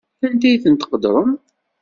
Anda ay ten-tqeddrem?